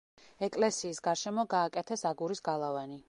ეკლესიის გარშემო გააკეთეს აგურის გალავანი.